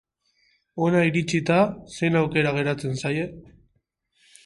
Hona iritsita, zein aukera geratzen zaie?